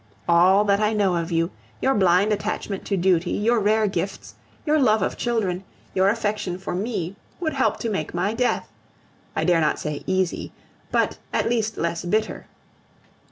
All that I know of you, your blind attachment to duty, your rare gifts, your love of children, your affection for me, would help to make my death I dare not say easy but at least less bitter.